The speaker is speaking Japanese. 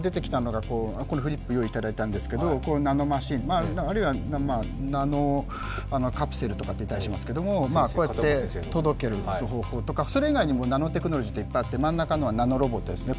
今出てきたのがナノマシン、あるいはナノカプセルとかって言ったりしますけど、こうやって届ける方法とか、それ以外にもナノテクノロジーっていっぱいあって真ん中のはナノロボットですね。